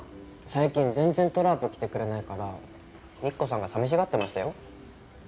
最近全然「トラープ」来てくれないからみっこさんがさみしがってましたよ。